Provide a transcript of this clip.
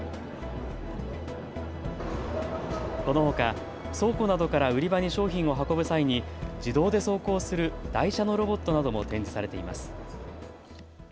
このほか倉庫などから売り場に商品を運ぶ際に自動で走行する台車のロボットなども展示されています。